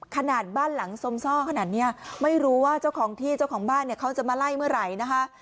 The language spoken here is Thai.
ขนาดบ้านหลังสมซ่อขนาดนี้ไม่รู้ว่าเจ้าของที่เจ้าของบ้านเนี่ยเขาจะมาไล่เมื่อไหร่นะคะ